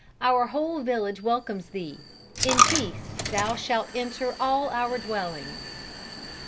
Our whole village welcomes thee. In peace thou shalt enter all our dwellings."